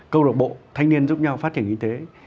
câu lạc bộ thanh niên giúp nhau phát triển kinh tế